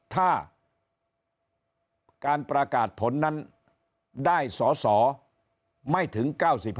ถ้าการประกาศผลนั้นได้สอสอไม่ถึง๙๕